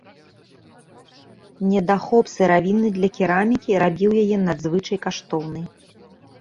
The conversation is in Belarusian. Недахоп сыравіны для керамікі рабіў яе надзвычай каштоўнай.